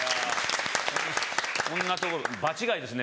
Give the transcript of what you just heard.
こんな所場違いですね